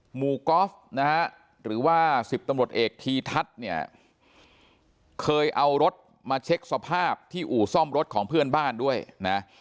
หมู่กอล์ฟนะฮะหรือว่า๑๐ตำรวจเอกทีทัศน์เนี่ยเคยเอารถมาเช็คสภาพที่อู่ซ่อมรถของเพื่อนบ้านด้วยนะ